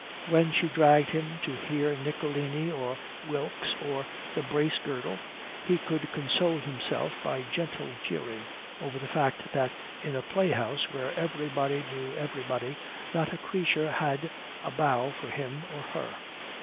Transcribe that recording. When she dragged him to hear Nicolini or Wilks or the Bracegirdle, he could console himself by gentle jeering over the fact that in a playhouse where everybody knew everybody not a creature had a bow for him or her.